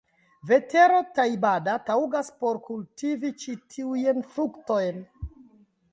Vetero Tajbada taŭgas por kultivi ĉi tiujn fruktojn.